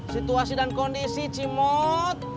situasi dan kondisi ci mot